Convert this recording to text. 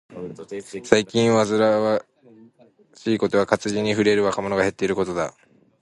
最近嘆かわしいことは、活字に触れる若者が減っていることだ。